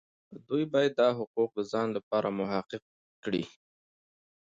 دوی باید دا حقوق د ځان لپاره محقق کړي.